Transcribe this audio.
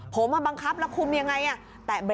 ผมเอาบังคับแล้วคุมยังไงอ่ะ